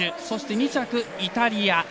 そして、２着イタリア。